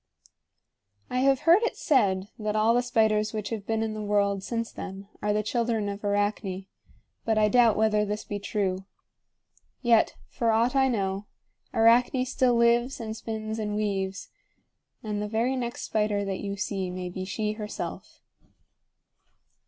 I have heard it said that all the spiders which have been in the world since then are the children of Arachne; but I doubt whether this be true. Yet, for aught I know, Arachne still lives and spins and weaves; and the very next spider that you see may be she herself.